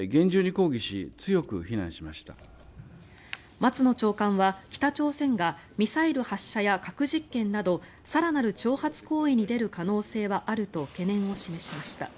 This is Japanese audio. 松野長官は北朝鮮がミサイル発射や核実験など更なる挑発行為に出る可能性はあると懸念を示しました。